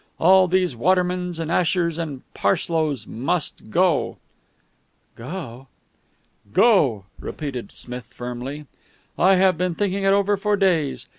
All these Watermans and Ashers and Parslows must go!" "Go!" "Go!" repeated Smith firmly. "I have been thinking it over for days.